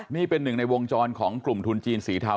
นี่เป็นหนึ่งในวงจรของกลุ่มทุนจีนสีเทา